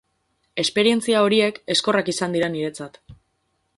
Esperientzia horiek ezkorrak izan dira niretzat.